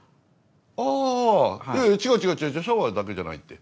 あぁいやいや違う違うシャワーだけじゃないって。